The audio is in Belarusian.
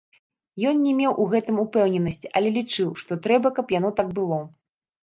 Ён не меў у гэтым упэўненасці, але лічыў, што трэба, каб яно так было.